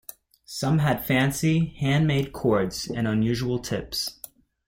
Some had fancy, hand-made cords, and unusual tips.